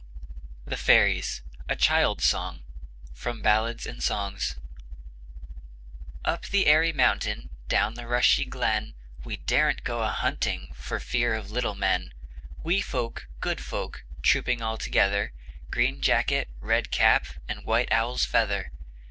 From 'Ballads and Songs.' THE FAIRIES (A CHILD'S SONG) Up the airy mountain, Down the rushy glen, We daren't go a hunting For fear of little men: Wee folk, good folk, Trooping all together; Green jacket, red cap, And white owl's feather.